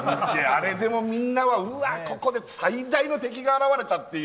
みんなはうわ、ここで最大の敵が現れたという。